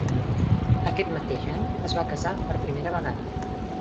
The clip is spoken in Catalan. Aquest mateix any es va casar per primera vegada.